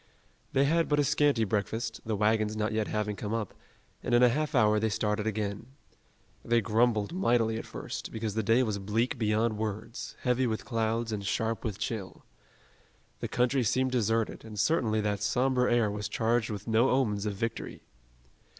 They had but a scanty breakfast, the wagons not yet having come up, and in a half hour they started again. They grumbled mightily at first, because the day was bleak beyond words, heavy with clouds, and sharp with chill. The country seemed deserted and certainly that somber air was charged with no omens of victory.